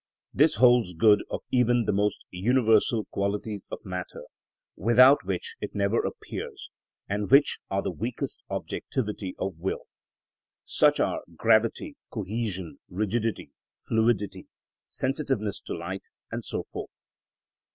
This holds good of even the most universal qualities of matter, without which it never appears, and which are the weakest objectivity of will. Such are gravity, cohesion, rigidity, fluidity, sensitiveness to light, and so forth.